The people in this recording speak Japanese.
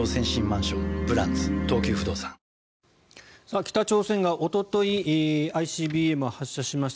北朝鮮がおとといＩＣＢＭを発射しました。